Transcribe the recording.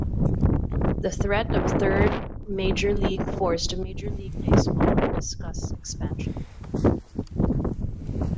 The threat of a third major league forced Major League Baseball to discuss expansion.